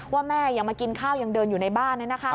แม่ยังมากินข้าวยังเดินอยู่ในบ้าน